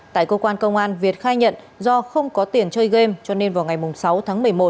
tại cơ quan công an việt khai nhận do không có tiền chơi game cho nên vào ngày sáu tháng một mươi một